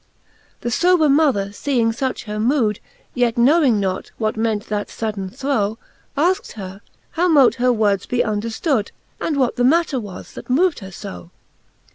XVII. The fober mother feeing fuch her mood, Yet knowing not, what meant that fodaine thro, Afkt her, how mote her words be underftood. And what the matter was, that mov'd her fo.